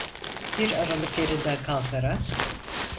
Bir aralık yerinden kalkarak: